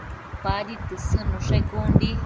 Padi tësëdnushe con di